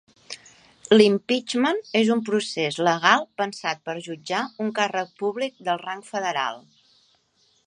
Limpeachment és un procés legal pensat per jutjar un càrrec públic de rang federal.